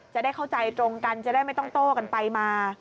จะได้เข้าใจตรงกันจะได้ไม่ต้องโต้กันไปมา